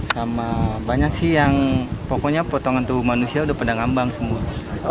sama banyak sih yang pokoknya potongan tubuh manusia udah pada ngambang semua